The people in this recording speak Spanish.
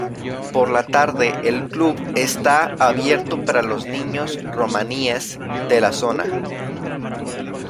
Por la tarde el club está abierto para los niños romaníes de la zona.